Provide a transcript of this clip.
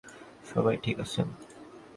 সবাই ঠিক আছেন?